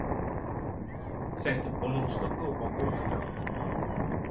Sy het 'n bondel stokke op haar kop gedra.